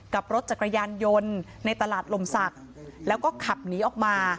กับรถจักรยานยนต์ในตลาดลมศักดิ์แล้วก็ขับหนีออกมา